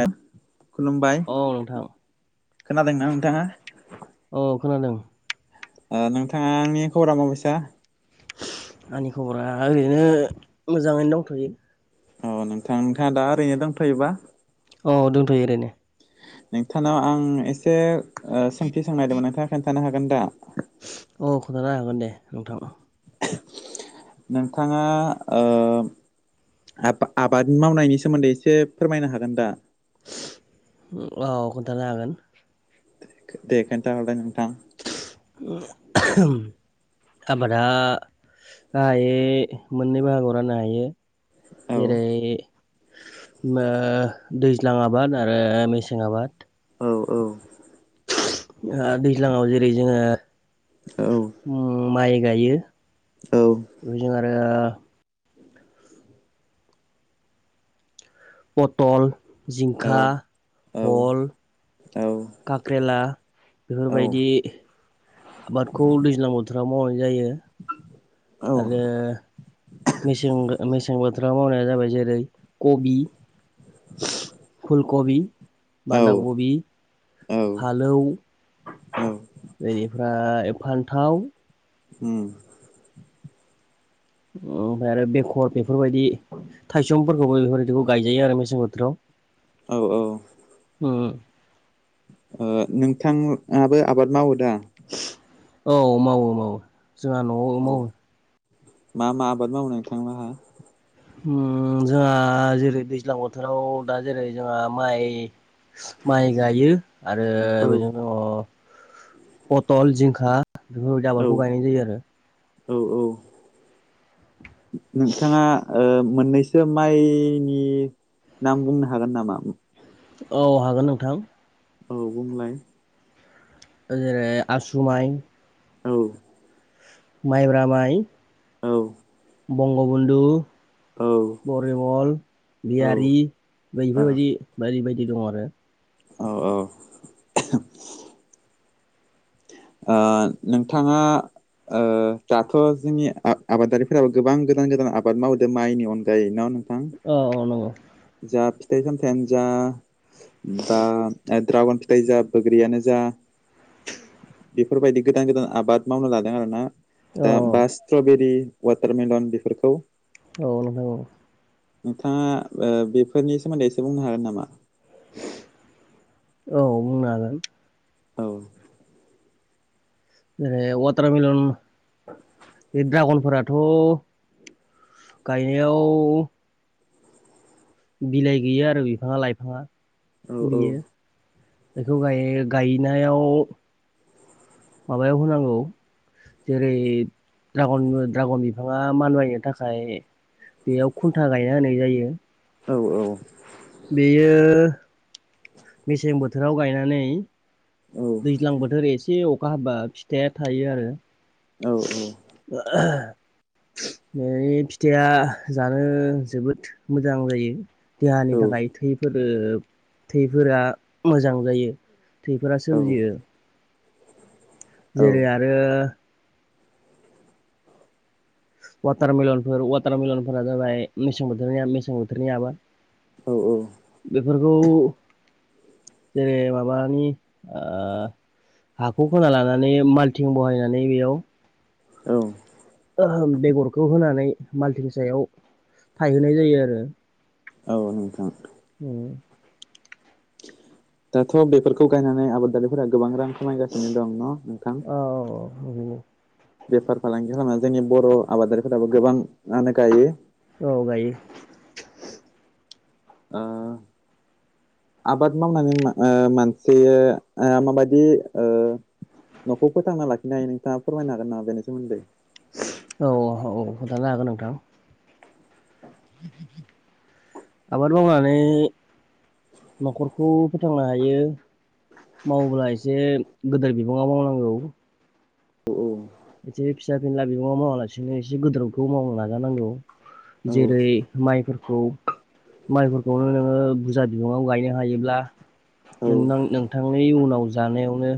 ओ खुलुमबाय, औ नोंथां खोनादोंना नोंथाङा? औ खोनादों ओ नोंथाङानि खबरा मा बायसा? आंनि खबरा ओरैनो मोजाङैनो दंथ'यो। अ नोंथां नोंथाङा दा ओरैनो दंथ'योबा? औ दंथ'यो ओरैनो। नोंथानाव आं एसे सोंथि सोंनायागदोंमोन नोंथाङा खोन्थानो हागोन दा? अ खोन्थानो हागोन दे नोंथां। नोंथाङा ओ आबा- आबाद मावनायनि सोमोन्दै एसे फोरमायनो हागोन दा? औ खोन्थानो हागोन। दे खिथा हरलाय नोंथां। [inaudible] आबादा गाहायै मोननै बाहागोआव राननो हायो। औ जेरै ओ दैज्लां आबाद आरो मेसें आबाद औ औ आ दैज्लाङाव जेरै जोङो औ ओ माइ गायो औ ओजों आरो पथल औ औ औ काक्रेला औ बेफोरबायदि आबादखौ दैज्लां बोथोराव मावनाय जायो। आरो मेसें मेसें बोथोराव मावनाया जाबाय जेरै कबि फुलकबि औ बान्दाखबि। फालौ औ बेनिफ्राय फान्थाव। उम ओमफाय आरो बेकर बेफोरबायदि थायसंफोरखौबो बेफोरबायदिखौ औ गायजायो आरो मेसें औ ओ बोथोराव उम। ओ नोंथाङाबो आबाद मावो दा? औ मावो मावो जोंहा न'आव औ मावो। मा मा आबाद मावो नोंथां लाहा? उम जोंहा जेरै दैज्लां बोथोराव दा जेरै जोंहा माइ माइ गायो आरो औ बेजों दङ पथल जिंखा बेफोरबायदि औ आबादखौ गायनाय जायो आरो। औ औ नोंथाङा ओ मोननैस सोर माइनि नाम बुंनो हागोन नामा? औ हागोन नोंथां औ बुंलाय जेरै आसुमाइ औ माइब्रामाइ औ बंगबन्धु औ फररिमल गियारि बैफोरबायदि बायदि बायदि दं आरो। औ औ ओ नोंथाङा ओ दाथ' जोंनि आ-आबादारिफोराबो गोबां गोदान गोदान आबाद मावदों माइनि अनगायै न नोंथां। औ औ नंगौ जा फिथाइ सामथायानो जा बा ड्रागन फिथाय जा बैग्रियानो जा बेफोरबायदि गोदान गोदान आबाद मावनो लादों आरोना औ दा बास स्ट्रबेरि वाटारमेलन बेफोरखौ औ नोंथां औ नोंथाङा ओ बेफोरनि सोमोन्दै एसे बुंनो हागोन नामा? औ बुंनो हागोन। औ जेरै वाटारमेलन बे ड्रागनफोराथ' गायनायाव बिलाइ गैयो आरो बिफाङा लाइफाङा औ औ बियो। बेखौ गायो गायनायाव माबायाव होनांगौ जेरै द्रागन द्रागन बिफाङा मानबायनो थाखाय बेयाव खुन्था गायना होनाय जायो। औ औ बियो मेसें बोथोराव गायनानै औ दैज्लां बोथोर एसे अखा हाबा फिथाइया थायो आरो। औ औ। [unintelligible] फिथाइया जानो जोबोद मोजां जायो। देहानि थाखाय थैफोरो थैफोरा मोजां जायो थैफोरा सोमजियो। जेरै आरो वाटारमेलनफोर वाटारमेलनफोरा जाबाय मेसें बोथोरनिया मेसें बोथोरनियाबो औ औ। बेफोरखौ जेरै माबानि ओ हाखौ खोना लानानै माल्थिं बहायनानै बेयाव औ। बेगरखौ होनानै माल्थिं सायाव थाहहोनाय जायो आरो। [unintelligible] उम दाथ' बेफोरखौ गायनानै आबादारिफोरा गोबां रां खामायगासिनो दं न' नोंथां औ बेफार फालांगि खालामनानै जोंनि बर' आबादारिफोराबो गोबाङानो गायो। औ गायो। ओ। आबाद मावनानै मानसिया माबाददि ओ न'खौ फोथांना लाखि हायो नोंथाङा फोरमायनो हागोन नाम बेनि सोमोन्दै। औ औ औ खोथानो हागोन नोंथां। आबाद मावङनानै न'खरखौ फोथांनो हायो। माव्ला एसे गोदिर बिबाङा मावनांगौ। औ एसे फिसा फिला बिबङाव मावालासिनो एसे गोदोरावखौ मावनो नाजानांगौ। औ जेरै माइफोरखौ माइफोरखौनो नोङो बुरजा बिबाङाव गायो हायोब्ला औ नोंथांनि उनाव जानायावनो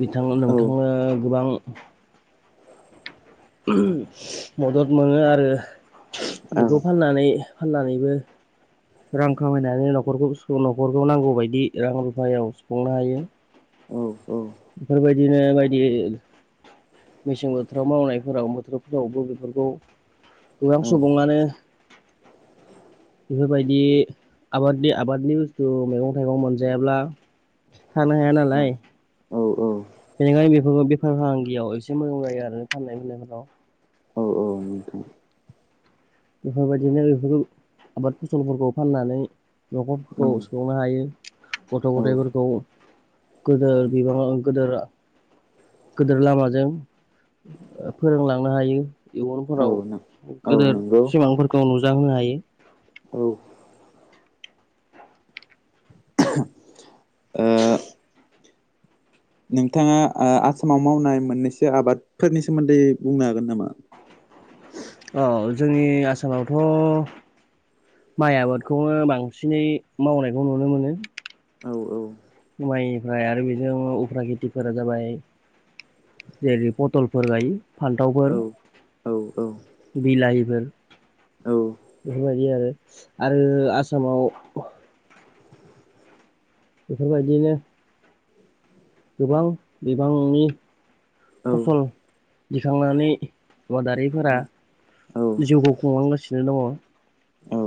बिथां औ नोंथांनो गोबां मदद मोनो आरो औ बेखौ फाननानै फाननानैबो रां खामायनानै न'खरखौ न'खरखौ नांगौ बायदि रां रुफायाव सुफुंनो हायो। औ औ। बेफोरबायदिनो बायदि मेसें बोथोराव मावनायफोराव बोथोरफोरावबो बेफोरखौ गोबां औ सुबुङानो बेफोरबायदि आबादनि आबादनि बुस्थु मैगं थाइगं मोनजायाब्ला थानो हाया नालाय। औ औ। बेनिखायनो बेफोरखौ बेफार फालांगियाव एसे मोजां जायो आरो फाननाय फाननायफोराव। [unintelligible] बेफोरबायदिनो बेफोर आबाद फसलफोरखौ फाननानै न'खरफोरखौ संनो हायो गथ' गथायाइफोरखौ गोदोर बिबाङाव गोदोर गेदिर लामाजों फोरोंलांनो हायो इयुनफोराव। औ औ नोंथां औ गेदेर नंगौ सिमांफोरखौ नुजााहोनो हायो। औ ओ नोंथाङा आसामाव मावनाय मोननैसो आबादफोरनि सोमोन्दै बुंनो हागोन नामा? औ जोंनि आसामावथ' माइ आबादखौनो बांसिनै मावनायखौ नुनो मोनो। औ औ। माइनिफ्राय आरो बेजों उफ्रा खेथिफोरा जाबाय जेरै पथलफोर गायो औ फान्थावफोर। औ औ बिलाहिफोर बेफोरबायदि आरो आरो आसामाव बेफोरबायदिनो गोबां बिबांनि औ फसल दिखांनानै आबादारिफोरा औ जिउखौ खुंलांगासिनो दङ। ओ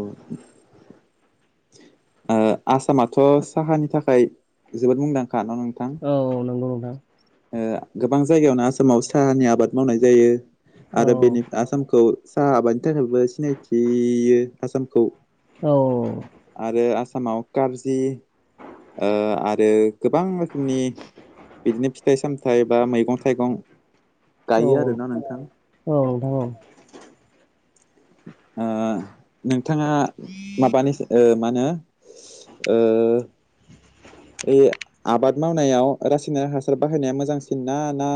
आसामाथ' साहानि थाखाय जोबोद मुंदांखा न' नोंथां? औ औ नंगौ नोंथां। ओ गोबां जायगायावनो आसामाव साहानि आबाद मावनाय जायो। औ आरो बेनि आसामखौ साहा हाबानि थाखायबो सिनायथियो आसामखौ औ औ आरो आसामाव कार्जि आरो गोबां रोखोमनि बिदिनो फिथाइ सामथायाइ बा मैगं थाइगं औ गायो आरोना नोंथां। औ नोंथां औ ओ नोंथाङा माबानि ओ मानो ओ [inaudible] बे आबाद मावनायाव रासायनारिक हासार बाहायनाया मोजांसिन ना ना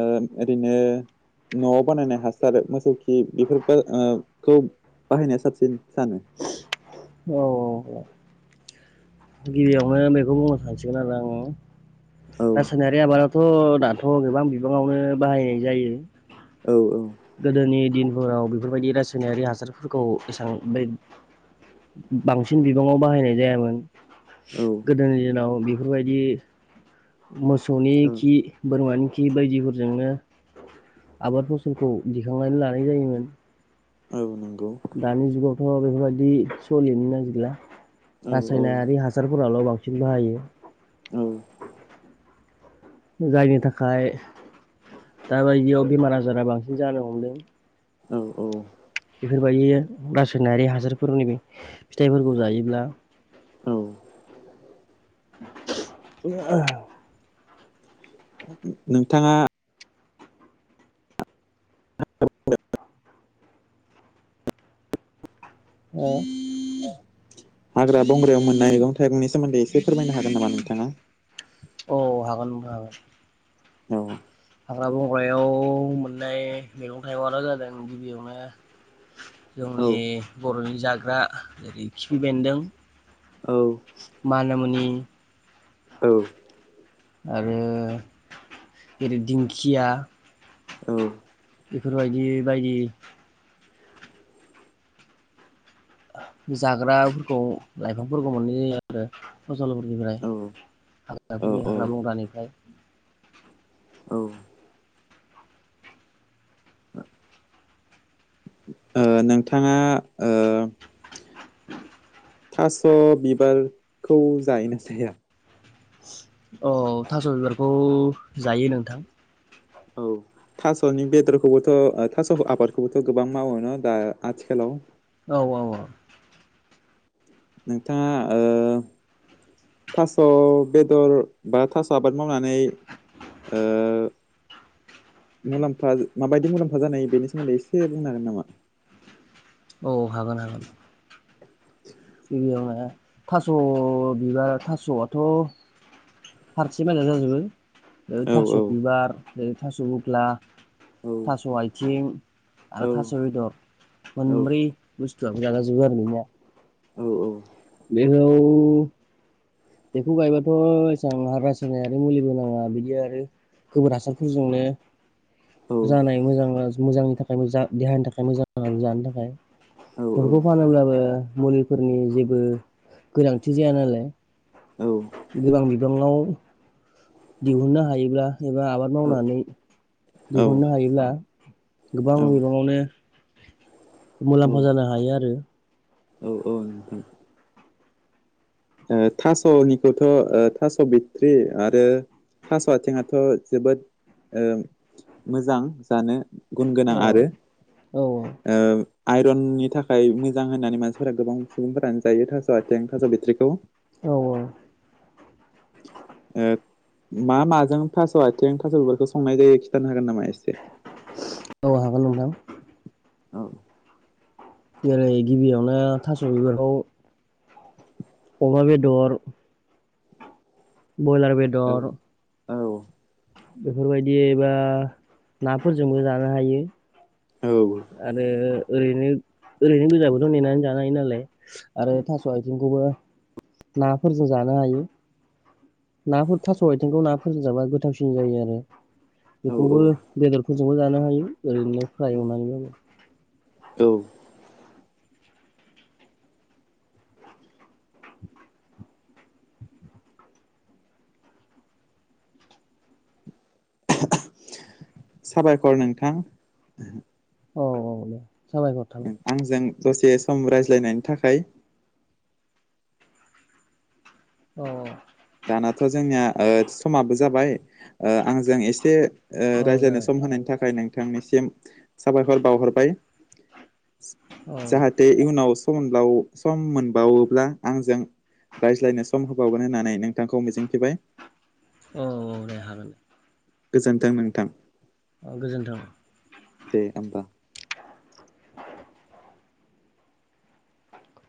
ओ ओरैनो न'आव बानायनाय हासार मोसौ खि बेफोर खौ [unintelligible] बाहायनाया साबसिन सानो? [unintelligible] औ औ दे गिबियावनो बेखौ बुंनो सानसिगोन आरो आङो औ रासायनारि बे आबादाथ' दाथ' गोबां बिबाङावनो बाहायनाय जायो। औ औ गोदोनि दिनफोराव बेफोरबायदि रासायनारि हासारफोरखौ एसां बे बांसिन बिबाङाव बाहायनाय जायामोन औ गोदोनि दिनाव बेफोरबायदि मोसौनि औ खि बोरमानि खि बायदिफोरजोंनो आबाद फसलखौ दिखांनानै लानाय जायोमोन आ नोंगौ दानि जुगावथ' बेफोरबायदि सलिनो नागिरला औ औ रासायनारि हासारफोराल' बांसिन बिदिनो बाहायो। औ जायनि थाखाय दाबायदियाव बेमार आजारा बांसिन जानो हमदों। औ औ बेफोरबायदि रासायनारि हासारफोरनि फिथाइफोरखौ जायोब्ला औ [unintelligible] नोंथाङा [unintelligible] [unintelligible] औ हाग्रा बंग्रायाव मोननाय गं फोरनि सोमोन्दै एसे फोरमायनो हागोन नामा नोंथाङा? अ हागोन नोंथां हागोन। औ हाग्रा बंग्रायाव मोननाय मैगं थाइगंआनो जादों गिबियावनो औ जोंनि बर'नि जाग्रा जेरै खिफि बेन्दों। औ मानामुनि औ आरो जरै दिंखिया औ बेफोरबायदि बायदि जाग्राफोरखौ लाइफांफोरखौ मोननाय जायो आरो। फसलफोरनिफ्राय हाग्राफोरनि औ औ हाग्रा बंग्रानिफ्राय [inaudible] औ। ओ नोंथाङा ओ थास' बिबारखौ जायो ना जाया? औ थास' बिबारखौ जायो नोंथां। औ। थास'नि बेदरखौबोथ' थास' आबादखौबोथ' गोबां मावो न' दा आथिखालाव? औ औ औ। नोंथाङा ओ थास' बेदर बा थास' आबाद मावनानै ओ मुलाम्फा माबायदि मुलाम्फा जानाय बेनि सोमोन्दै एसे बुंनो हागोन नामा? औ हागोन हागोन। गिबियावनो थास' बिबार थास'आथ' फारसेबाय जाजोबो ओ औ थास' औ बिबारै थास' फस्ला औ थास' आथिं आरो थास' बेदर। औ मोनब्रै बुस्थुआबो जाजाजोबो आरो नोंथां। औ औ। बेहाव बेखौ गायबाथ' एसां हारास होनाय आरो मुलिबो नाङा बिदि आरो। गोबोर हासारफोरजोंनो औ जानाय मोजां मोजांनि थाखाय थाखाय मोजां देहानि थाखाय मोजांनानै जानो थाखाय। औ बेफोरखौ फानोब्लाबो मुलिफोरनि जेबो गोनांथि जाया नालाय। औ। गोरां बिफाङाव दिहुननो हायोब्ला एबा आबाद औ मावनानै औ दिहुननो हायोब्ला गोबां बिबाङावनो मुलाम्फा जानो हायो आरो। औ औ। थास'निखौथ' ओ थास' बिथट्रि आरो थास' आथिंआथ' जोबोद मोजां जानो। गुन औ गोनां आरो औ ओ आइरननि थाखाय मोजां होननानै मानसिफोरा गोबां सुबुंफोरानो जायो थास' आथिं थास' बेट्रिखौ। औ औ। ओ मा माजों थास' आइथेंजों थास' बिबाफोरखौ संनाय जायो खिथानो हागोन नामा एसे? औ हागोन नोंथां। औ जेरै गिबियावनो थास' बिबारखौ अमा बेदर ब्रयलार औ बेदर औ। बेफोरबायदिबा नाफोरजोंबो जानो हायो। औ। आरो ओरैनो ओरैनो गोजाबोथ' नेनानै जानो हायो नालाय। आरो थास' आथिंखौबो नाफोरजों जानो हायो। नाफोर थास' आथेंखौ नाफोरजों जाबा गोथावसिन जायो आरो औ बेखौबो बेदरफोरजोंबो जानो हायो ओरैनो फ्राय औ एवनानैबाबो। औ। साबायखर नोंथां। औ औ दे साबायहर थाबाय। आंजों दसे सम रायज्लायनायनि थाखाय अ दानाथ' जोंनिया ओ समाबो जाबाय ओ आंजों एसे ओ औ औ रायज्लायनो जाबाय सम होनायनि थाखाय नोंथांनिसिम साबायखर बावहरबाय। औ जाहाथे इउनाव सम मोनब्लाव सम मोनबावोब्ला आंजों रायज्लायनो सम होबावगोन होननानै नों थांखौ मिजिंथिबाय। औ औ दे हागोन। गोजोन्थों नोंथां। अ गोजोन्थों। दे होमबा।